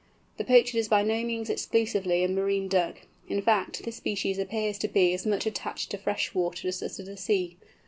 The Pochard is by no means exclusively a marine Duck; in fact, this species appears to be as much attached to fresh waters as to the sea.